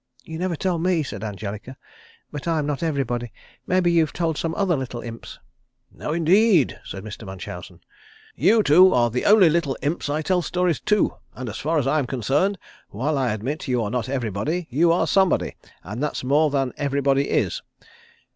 "You never told me," said Angelica. "But I'm not everybody. Maybe you've told some other little Imps." "No, indeed!" said Mr. Munchausen. "You two are the only little Imps I tell stories to, and as far as I am concerned, while I admit you are not everybody you are somebody and that's more than everybody is.